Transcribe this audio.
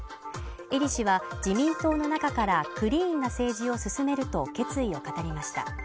英利氏は自民党の中から、クリーンな政治を進めると決意を語りました。